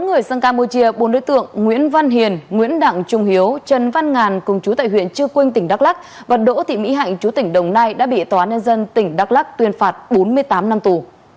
người sang campuchia bốn đối tượng nguyễn văn hiền nguyễn đặng trung hiếu trần văn ngàn cùng chú tại huyện chư quynh tỉnh đắk lắc và đỗ thị mỹ hạnh chú tỉnh đồng nai đã bị tòa án nhân dân tỉnh đắk lắc tuyên phạt bốn mươi tám năm tù